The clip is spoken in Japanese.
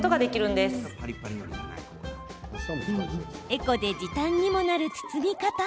エコで時短にもなる包み方。